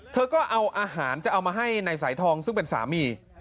เธอก็เอาอาหารจะเอามาให้ในสายทองซึ่งเป็นสามี